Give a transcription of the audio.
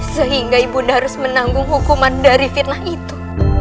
sehingga ibu nanda harus menanggung hukuman dari fitnah itu